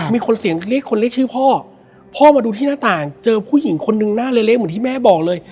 มีคนเสียงเรียกคนเรียกชื่อพ่อพ่อมาดูที่หน้าต่างเจอผู้หญิงคนนึงหน้าเละเหมือนที่แม่บอกเลย